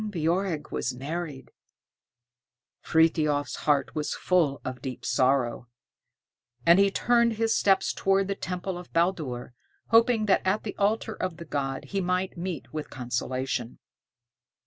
Ingebjorg was married! Frithiof's heart was full of deep sorrow, and he turned his steps towards the temple of Baldur, hoping that at the altar of the god he might meet with consolation.